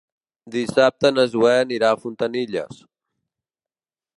Dissabte na Zoè anirà a Fontanilles.